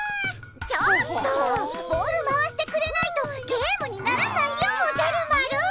ちょっとボール回してくれないとゲームにならないよおじゃる丸。